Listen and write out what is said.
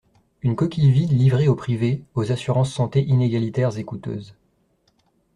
Une coquille vide livrée au privé, aux assurances santé inégalitaires et coûteuses.